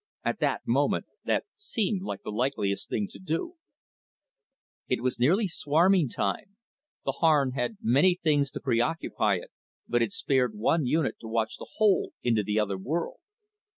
At the moment, that seemed the likeliest thing to do. _It was nearly swarming time, the Harn had many things to preoccupy it, but it spared one unit to watch the hole into the other world.